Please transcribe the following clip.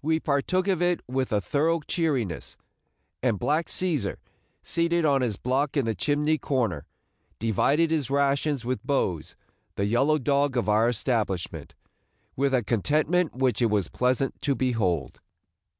We partook of it with a thorough cheeriness; and black Cæsar, seated on his block in the chimney corner, divided his rations with Bose, the yellow dog of our establishment, with a contentment which it was pleasant to behold.